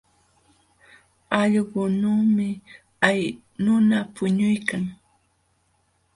Allqunuumi hay nuna puñuykan.